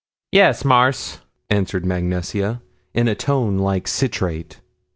"Yes, Marse," answered Mag Nesia in a tone like citrate.